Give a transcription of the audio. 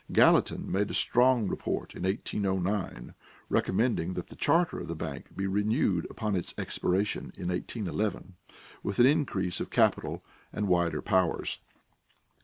Gallatin made a strong report in 1809, recommending that the charter of the bank be renewed upon its expiration in 1811, with an increase of capital and wider powers.